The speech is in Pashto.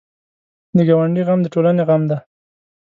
د ګاونډي غم د ټولنې غم دی